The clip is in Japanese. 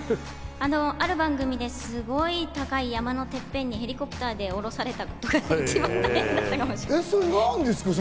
ある番組ですごい高い山のてっぺんにヘリコプターで降ろされたことが一番大変だったと聞いてます。